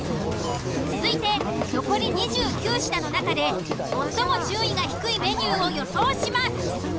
続いて残り２９品の中で最も順位が低いメニューを予想します。